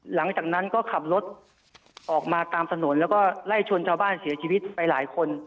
หลังจากนั้นก็ขับรถออกมาตามถนนแล้วก็ไล่ชนชาวบ้านเสียชีวิตไปหลายคน